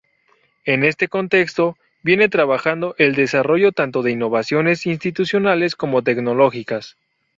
En este contexto viene trabajando el desarrollo tanto de innovaciones institucionales como tecnológicas.